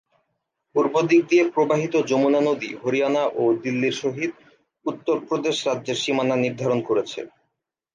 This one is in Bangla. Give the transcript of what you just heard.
পূর্ব দিক দিয়ে প্রবাহিত যমুনা নদী হরিয়ানা ও দিল্লির সহিত উত্তরপ্রদেশ রাজ্যের সীমানা নির্ধারণ করেছে।